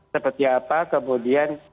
seperti apa kemudian